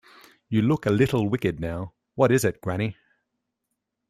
You look a little wicked now; what is it, granny?